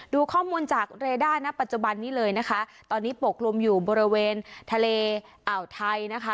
ดูข้อมูลจากเรด้าณะปัจจุบันนี้เลยนะคะตอนนี้ปกลุ่มอยู่บริเวณทะเลอ่าวไทยนะคะ